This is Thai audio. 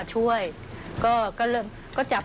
สวัสดีครับ